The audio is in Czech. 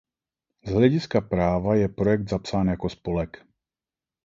Z hlediska práva je projekt zapsán jako spolek.